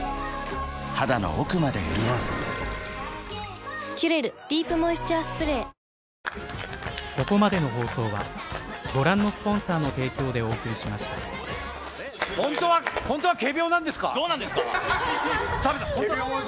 肌の奥まで潤う「キュレルディープモイスチャースプレー」本当は仮病なんですか？